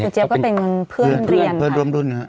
เจ๊บก็เป็นเพื่อนเรียนครับเพื่อนร่วมรุ่นนะครับ